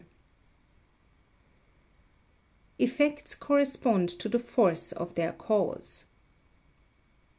[Sidenote: Effects correspond to the Force of their Cause] 14.